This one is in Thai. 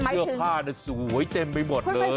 เสื้อผ้าสวยเต็มไปหมดเลย